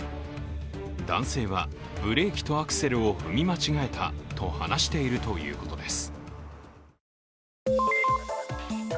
男性はブレーキとアクセルを踏み間違えたと話しているということです。